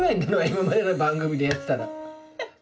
今までの番組で言ったら。